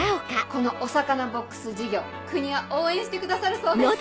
このお魚ボックス事業国は応援してくださるそうです！